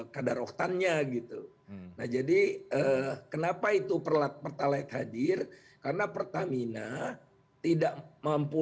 kadar oktannya gitu nah jadi kenapa itu perlat pertalite hadir karena pertamina tidak mampu